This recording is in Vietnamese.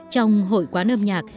trong hội quán âm nhạc